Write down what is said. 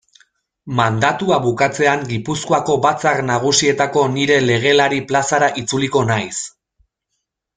Mandatua bukatzean Gipuzkoako Batzar Nagusietako nire legelari plazara itzuliko naiz.